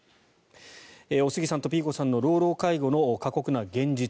おすぎさんとピーコさんの老老介護の過酷な現実。